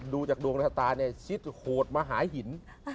ดูจากดวงชะตาชิดโหดมาหายหิน